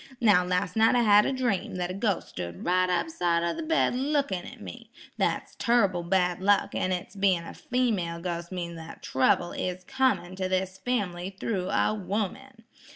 Now las' night I had a dream that a ghos' stood right up side 'o the bed lookin' at me. That's turrible bad luck; an' its bein' a female ghos' means that trouble is comin' to this family thro' a 'ooman.